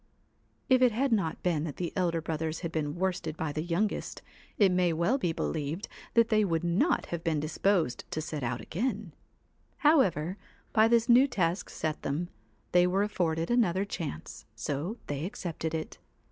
If it had not been that the elder brothers had been worsted by the youngest, it may well be believed they would not have been disposed to set out again ; however, by this new task set them, they were afforded another chance, so they accepted it.